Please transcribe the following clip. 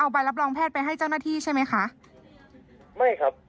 ใบรับรองแพทย์ไปให้เจ้าหน้าที่ใช่ไหมคะไม่ครับ